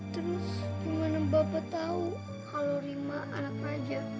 terus gimana bapak tahu kalau rima anak raja